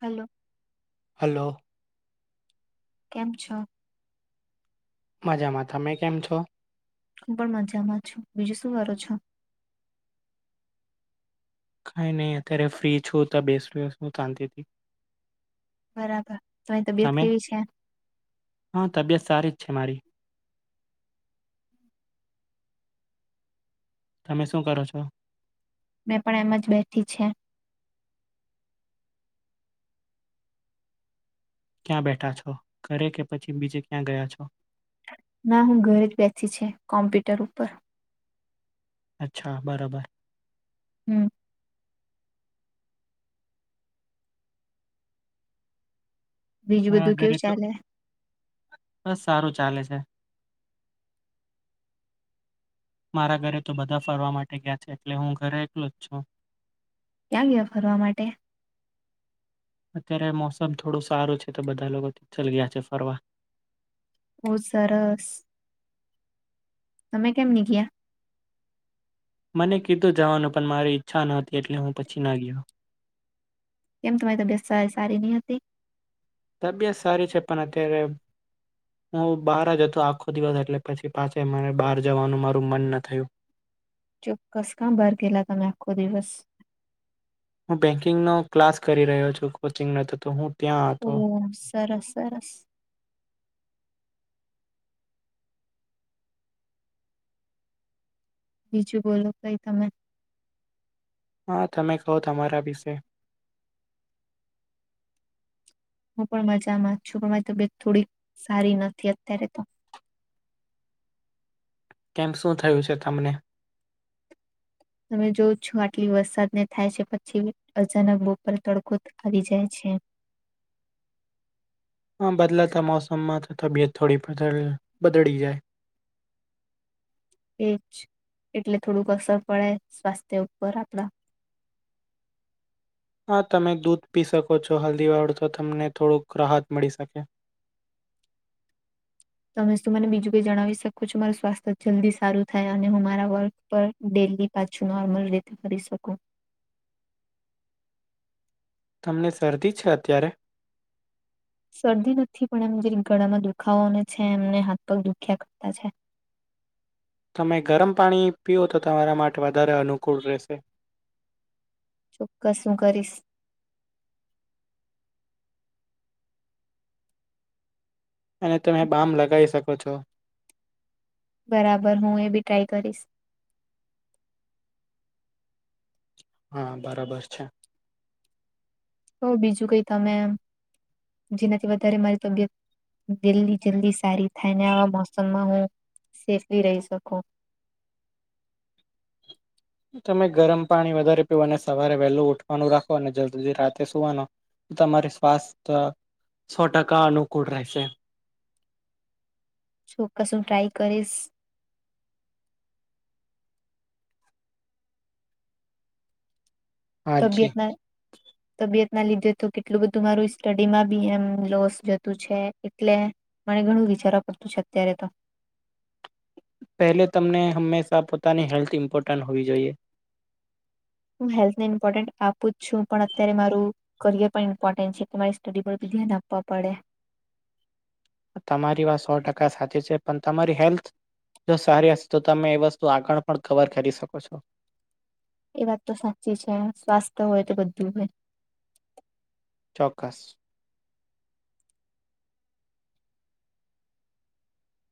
હાલો. Hello. કેમ છો? મજામાં તમે કેમ છો? હું પણ મજામાં છું બીજું શું કરો છો? કઈ ની અત્યારે ફ્રી છું તો બેસયો શાંતીથી બરાબર તમારી તબિયત તમે કેવી છે હા તબિયત સારી છે, મારી તમે શું કરો છો? મેં પણ એમ જ બેઠી છે. ક્યાં બેઠા છો ઘરે કે પછી બીજે ક્યાં ગયા છો? ના હું ઘરે જ બેસી છે કોમ્પ્યુટર ઉપર અચ્છા બરાબર હમ બીજું હા બધું ઘરે કેવું તો ચાલે બસ સારું ચાલે છે મારા ઘરે તો બધા ફરવા માટે ગયા છે એટલે હું ઘરે એકલો જ છું ક્યાં ગયા ફરવા માટે અત્યારે મોસમ થોડું સારું છે તો બધા લોકો ચલ ગયા છે ફરવા બઉ સરસ તમે કેમ ની ગયા મને કીધું જવાનું પણ મારી ઈચ્છા નહોતી એટલે હું પછી ના ગયો કેમ તમારી તબિયત સારી સારી નઈ હોતી અભ્યાસ સારી છે, પણ અત્યારે હું બહાર જ હતો આખો દિવસ એટલે પછી પાછે મારે બહાર જવાનું મારું મન ન થયું. ચોકકસ કા બાર ગેલા તમે આખો દિવસ હું બેંકિંગનો ક્લાસ કરી રહ્યો છું, કોચિંગ ન ત ત હું ત્યાં હતો ઓહ સરસ સરસ બીજું બોલો કઈ તમે હા તમે કહો તમારા વિશે? હું પણ મજામાં છું પણ મારી તબિયત થોડીક સારી નથી અત્યારે તો કેમ શું થયું છે, તમને? તમે જોવ છો આટલી વરસાદને થાય છે, પછી અચાનક બપોરે તડકો આવી જાય છે. હ બદલાતા મોસમમાં તો તબિયત થોડી બદલ બદડી જાય એજ એટલે થોડુંક અસર પડે સ્વાસ્થ્ય ઉપર આપણા હા તમે દૂધ પી શકો છો હલ્દી વાળુ તો તમને થોડુંક રાહત મળી શકે તમે શું મને બીજું કઈ જણાવી શકો છો મારું સ્વાસ્થ્ય જલ્દી સારું થાય અને હું મારા વર્ક પર ડે લી પાછું નોર્મલ રીતે કરી શકો તમને શરદી છે, અત્યારે? શરદી નથી પણ એમ જીરીક ગળામાં દુખાવોને છે, એમને હાથ પગ દુખ્યા કરતા છે. [inaudible] તમે ગરમ પાણી પીઓ તો તમારા માટે વધારે અનુકૂળ રહેશે ચોક્કસ હું કરીશ અને તમે બામ લગાવી શકો છો બરાબર હું એ બી ટ્રાય કરીશ હા બરાબર છે. તો બીજું કઈ તમે જેનાથી વધારે મારી તબિયત જલ્દી જલ્દી સારી થાયને આવા મોસમમાં હું સેફલી રહી શકું તમે ગરમ પાણી વધારે પીવો અને સવારે વહેલું ઉઠવાનું રાખો અને જલ્દીથી રાતે સુવાનો તમારે સ્વાસ્થ્ય સો ટકા અનુકૂળ રહેશે ચોક્કસ હું ટ્રાય કરીશ હાજી તબિયતના તબિયત ના લીધે તો કેટલું બધું મારું સ્ટડીમાં બી એમ લોસ જતું છે એટલે મને ઘણું જરા પડતું છે અત્યારે તો પહેલે તમને હંમેશા પોતાની હેલ્થ ઇમ્પોર્ટન્ટ હોવી જોઈએ હું હેલ્થને ઇમપોર્ટન્ટ આપું જ છું પણ અત્યારે મારું કરિયર પણ ઇમ્પોર્ટન્ટ છે કે મારી સ્ટડી પર બી ધ્યાન આપવા પડે તમારી વાત સો ટકા સાચી, છે પન તમારી હેલ્થ જો સારી હશે તો તમે એ વસ્તુ આગળ પણ કવર કરી શકો છો. એ વાત તો સાચી છે, સ્વાસ્થ્ય હોય તો બધું હોય ચોક્કસ.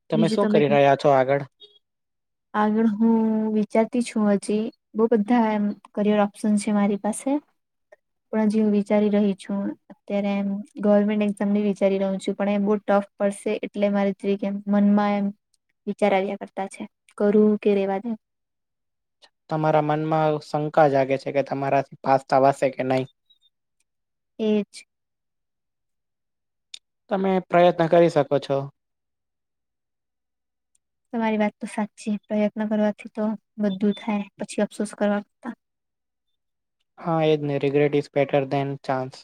તમે બીજું શું કરી કે રહ્યા છો આગળ? આગળ હું વિચારતી છું હજી બો બધાં એમ કરિયર ઓપ્શન છે, મારી પા [unintelligible] પણ હજી હું વિચારી રહી છું અત્યારે એમ ગવર્મેન્ટ એક્ઝામની વિચારી [unintelligible] છું પણ એ બો ટ ફ પડશે એટલે મારે જરીક એમ મનમાં એમ વિચાર આવ્યા કરતા છે. કરું કે રેવા દઉ તમારા મનમાં શંકા જાગે છે કે તમારાથી પાસ થવાસે કે નહી એજ તમે પ્રયત્ન કરી શકો છો તમારી વાતતો સાચી પ્રયત્ન કરવાથી તો બધું થાય પછી અફસોસ કરવાતા [inaudible] હા એ જ ને regret is better than chance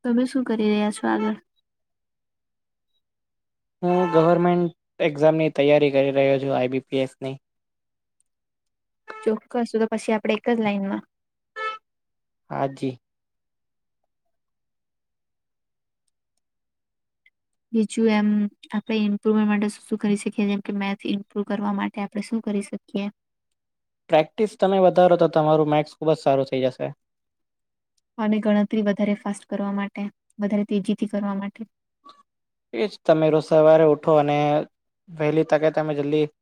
તમે શું કરી રહ્યા છો આગળ હું ગવર્મેન્ટ એક્ઝામની તૈયારી કરી રહ્યો છું આઈબીપીએસની ચોક્કસું તો તો પછી આપણે એક જ લાઈનમાં હા જી બીજું એમ આપણે ઇમ્પ્રુવમેન્ટ માટે શું શું કરી શકીએ જેમ કે મેથ ઇમ્પ્રુવ કરવા માટે આપણે શું કરી શકીએ પ્રેક્ટિસ તમે વધારોતો તમારું મેક્સ ખૂબ જ સારું થઈ જશે અને ગણતરી વધારે ફાસ્ટ કરવા માટે વધારે તેજીથી કરવા માટે એજ તમે રોજ સવારે ઉઠો અને વહેલી તકે તમે જલ્દી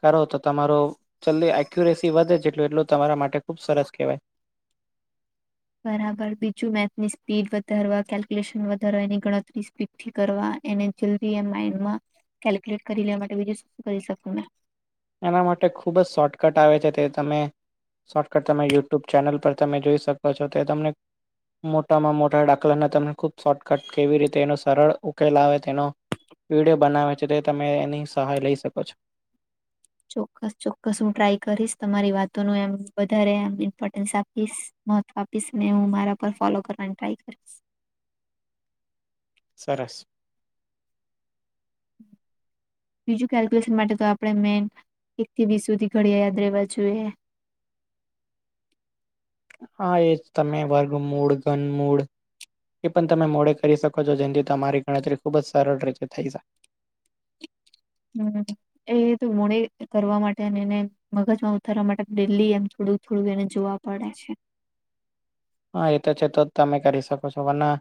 કરો તો તમારો જલ્દી એક્યુરેસી વધે જેટલું એટલું તમારા માટે ખુબ સરસ કહેવાય [inaudible] બરાબર બીજું મેથની સ્પીડ વધારવા કેલ્ક્યુલેશન વધારવા એની ગણતરી સ્પીડથી કરવા એને જલ્દી એમ માઈન્ડમાં કેલ્ક્યુલેટ કરી લેવા માટે બીજું શું કરી શકું મેં એના માટે ખૂબ જ શોર્ટકટ આવે છે તે તમે શોર્ટકટ તમે યુટ્યુબ ચેનલ પર તમે જોઈ શકો છો તે તમને મોટામાં મોટા દાખલાને તમને ખૂબ શોર્ટકટ કેવી રીતે એનો સરળ ઉકેલ આવે તેનો વિડિયો બનાવે છે તે તમે એની સહાય લઈ શકો છો ચોક્કસ ચોક્કસ હું ટ્રાય કરીશ તમારી વાતોનું એમ વધારે ઇમ્પોર્ટન્સ આપીશ મહત્વ આપીશને હું મારા પર ફોલો કરવાની ટ્રાય કરીશ સરસ હ બીજું કેલ્ક્યુલેશન માટે તો આપડણે મેન એક થી વીસ સુધી ઘડિયા યાદ રહેવા જોઈએ [inaudible] હા એજ તમે વર્ગ મૂળ ઘન મૂડ એ પણ તમે મોડે કરી શકો છો જેથી તમારી ગણતરી ખૂબ જ સરળ રીતે થઈ જ [inaudible] હમ એ મોડી કરવા માટે અને એને મગજમાં ઉતારવા માટે ડેલી એમ છોડ વધડું થોડું એને જોવા પડે છે હા એ તો છે તો જ તમે કરી શકો છો વ ના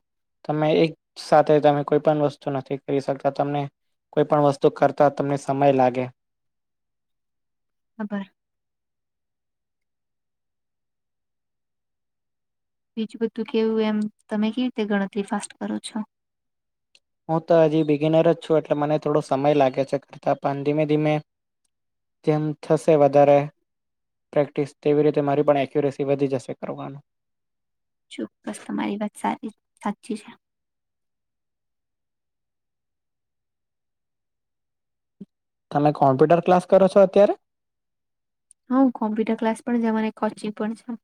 તમે એક સાથે તમે કોઈ પણ વસ્તુ નથી કરી શકતા તમને કોઈ પણ વસ્તુ કરતા તમને સમય લાગે ખબર બીજું બધું કેવું એમ તમે કે રીતે ગણતરી ફાસ્ટ કરો છો હું તો હજી બિગિનર જ છું એટલે મને થોડો સમય લાગે છે કરતા પણ ધીમે ધીમે તેમ થશે વધારે પ્રેક્ટિસ તેવી રીતે મારી પણ એક્યુરેસી વધી જશે કરવાનું ચોક્કસ તમારી વાત સાચી છે તમે કોમ્પ્યુટર ક્લાસ કરો છો અત્યારે હા કોમ્પ્યુટર ક્લાસ પણ જવાને કોચિંગ પણ છે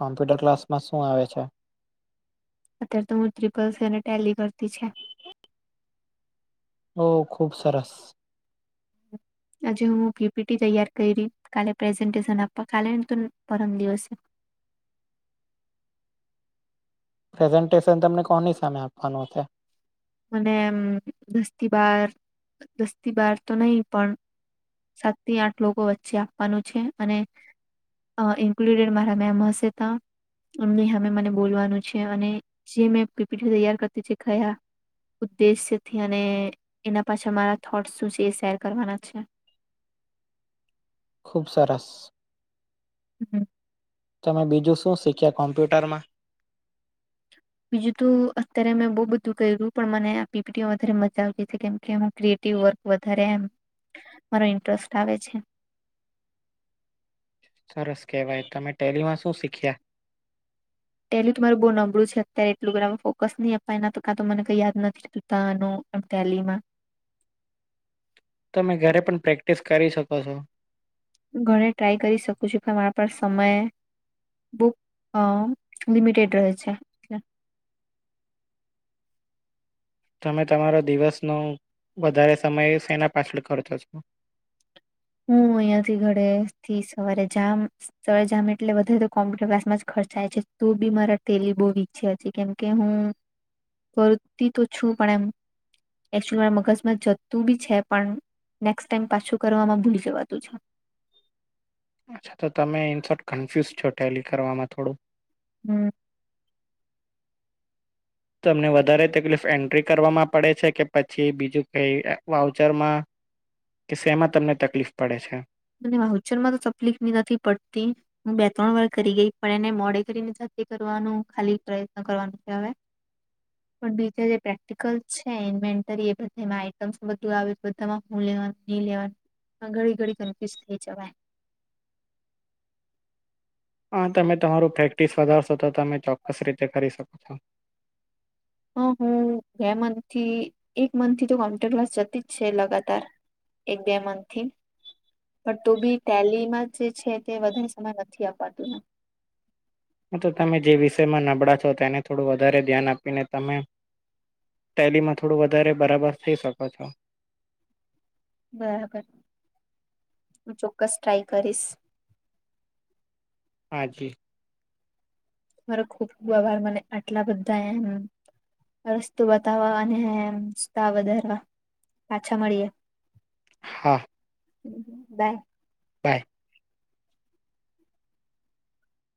કોમ્પ્યુટર ક્લાસમાં શું આવે છે અત્યારે તો હ ત્રિપલ અને ટેલી વરતી છે ઓ ખુબ સરસ આજે હું પીપીટી તૈયાર કરી કાલે પ્રેઝન્ટેશન આપવા કાલેને તો પરમ દિવસે [inaudible] પ્રેઝન્ટેશન તમને કોની સામે આપવાનુંશે મને દસ્તી બાર દસ્તી બાર તો નહી પણ સાત થી આઠ લોકો વચ્ચે આપવાનું છે અને ઇન્ક્લુડેડ મારા મેમ હશે ત એમની સામે મને બોલવાનું છે અને જે મેં પીપીટી તૈયાર કરતી છે ખયા ઉદ્દેશ્યથી અને એના પાછા અમારા થોટ શું છે એ શેર કરવાના છે [inaudible] ખૂબ સરસ હમ તમે બીજું શું શીખ્યા કોમ્પ્યુટરમાં બીજું તો અત્યારે મેં બહુ બધું કર્યું્યું પણ મને આ પીપીડીઓ વધારે મજા આવતી છે કેમ કે હું ક્ર વર્ક વધારે એમ મારો ઇન્ટસ્ટ આવે છે [inaudible] સરસ કેવાય તમે ટેલીમાં શું શીખ્યા પેલીું તમાું બહુ નબળું છે અત્યારે એટલું બરા ફોકસ નહી અપાયના કા તો મને કઈ યાદ નથીતાનું એમ થલી માં તમે ઘરે પણ પ્રેક્ટિસ કરી શકો છો ઘણે ટ્રાય કરી શકું છું કે મારા પર સમય બુક લિમિટેડ રહે છે એલે [inaudible] તમે તમારો દિવસનો વધારે સમય શેના પાછળ ખર્ચો છો [unintelligible] [inaudible] હું અહીયાંથી ઘરેથી સવારે જામ સ જામ એટલે વધારે તો કોમ્પ્યુટર ક્લાસમાં થાય છે ત ભી મારા તેલી બહુ ઈચ્છે છે કેમકે હું વતિ તો છું પણ એમ મા મગજમાં જતું ભી છે, પણ નેક્સ્ટ ટાઈમ પાછું કરવામાં ભુલીસે વાતું છે અચ્છા તો તમે ઇન શોર્ટ કન્ફ્યુઝ છો ટેલી કરવામાં થોડું હમ્મ તમને વધારે તકલીફ એન્ટ્રી કરવામાં પડે છે કે પછી બીજું કઈ વાઉચરમાં કે શેમાં તમને તકલીફ પડે છે. મને વાઉચરમાં તો તકલીફ ની નથી પડતી, હું બે ત્રણ વાર કરી ગઈ પણ એને મોડે કરીને કરવાનું ખાલી પ્રયત્ન કરવાનું છે હવે પણ બીજા જે પ્રેક્ટિકલ છે ઇન્વેન્ટરી એ બધેમાં આઈટમ બધું બધામાં હું લેવા ઘડી ઘડી થઇ ચવા હા તમે તમારું પ્રેક્ટિસ વધારશો તો તમે ચોક્કસ રીતે કરી શકો છો. હા હું બે મંથથી એક મંથથી તો કોમ્પ્યુટર ક્લાસ જતી જ છે લગાતાર એક બે મંથથી પણ તો બી ટેલીમાં જે છે તે વધારે સમય નથી અપાતુંને તો તમે જે વિષયમાં નબળા છો તેને થોડું વધારે ધ્યાન આપીને તમે ટેલીમાં થોડું વધારે બરાબર થઈ શકો છો. બરાબર હું ચોક્કસ ટ્રાઈ કરીશ. હા જી મારો ખૂબ ખૂબ આભાર મને આટલા બધા એમ રસ્તો બતાવવા અને સતા વધારવા પાછા મળીએ હા હ બાય બાય